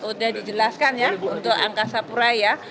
sudah dijelaskan ya untuk angka sapurai ya